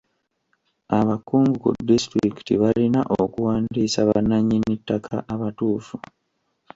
Abakungu ku disitulikiti balina okuwandiisa bannannyini ttaka abatuufu.